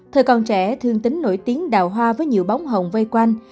thời còn trẻ thương tính nổi tiếng đào hoa với nhiều bóng hồng vây quanh